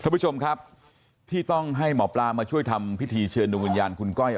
ผู้ชมครับที่ต้องให้หมอปลามาช่วยทำพิธีเชิญดวงวิญญาณคุณก้อย